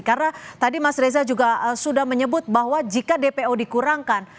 karena tadi mas reza juga sudah menyebut bahwa jika dpo dikurangkan